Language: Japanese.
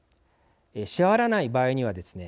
支払わない場合にはですね